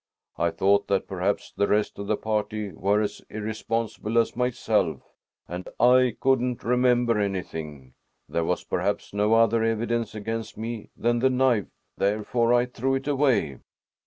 "I thought that perhaps the rest of the party were as irresponsible as myself and I couldn't remember anything. There was perhaps no other evidence against me than the knife, therefore I threw it away."